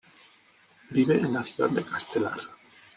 Vive en la ciudad de Castelar.